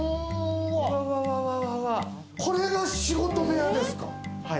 これが仕事部屋ですか？